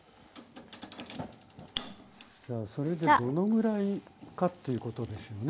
さあそれでどのぐらいかっていうことですよね。